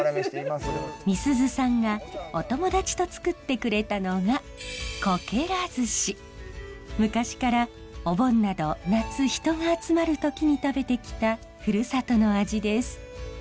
美寿津さんがお友達とつくってくれたのが昔からお盆など夏人が集まる時に食べてきたふるさとの味です。